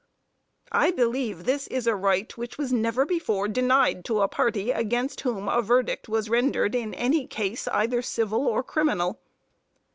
I believe this is a right which was never before denied to a party against whom a verdict was rendered in any case, either civil or criminal.